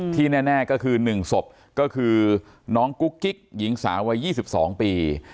แน่ก็คือ๑ศพก็คือน้องกุ๊กกิ๊กหญิงสาววัย๒๒ปี